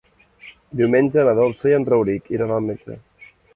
Diumenge na Dolça i en Rauric iran al metge.